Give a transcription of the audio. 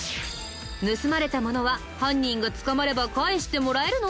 盗まれたものは犯人が捕まれば返してもらえるの？